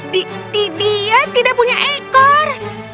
di dia tidak punya ekor